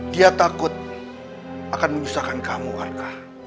dia takut akan menyusahkan kamu warga